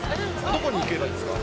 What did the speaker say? どこに行けばいいんですか。